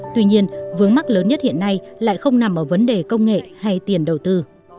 tuy nhiên vướng mắt lớn nhất hiện nay lại không nằm ở vấn đề công nghệ hay tiền đầu tư